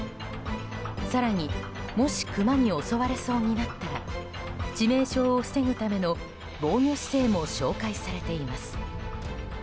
更に、もしクマに襲われそうになったら致命傷を防ぐための防御姿勢も紹介されています。